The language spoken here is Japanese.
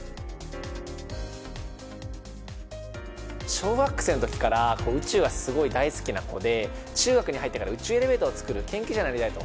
小学生の時から宇宙がすごい大好きな子で中学に入ってから宇宙エレベーターをつくる研究者になりたいと。